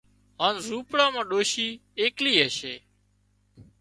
هانَ زونپڙا مان ڏوشِي ايڪلي هشي